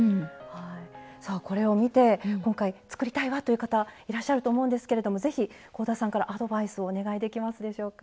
さあこれを見て今回作りたいわという方いらっしゃると思うんですけれどもぜひ香田さんからアドバイスをお願いできますでしょうか？